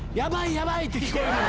やばい！って聞こえるの。